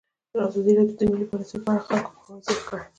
ازادي راډیو د مالي پالیسي په اړه د خلکو پوهاوی زیات کړی.